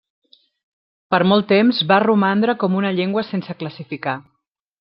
Per molt temps va romandre com una llengua sense classificar.